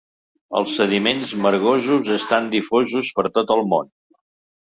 Els sediments margosos estan difosos per tot el món.